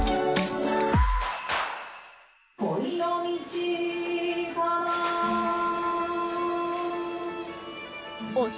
「恋の道かな」。